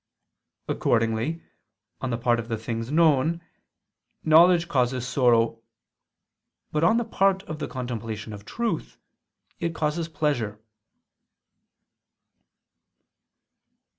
Accordingly, on the part of the things known, knowledge causes sorrow: but on the part of the contemplation of truth, it causes pleasure.